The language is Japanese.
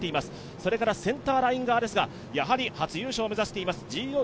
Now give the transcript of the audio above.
センターライン側ですが、初優勝を目指しています